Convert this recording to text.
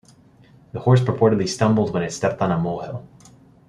The horse purportedly stumbled when it stepped on a mole hill.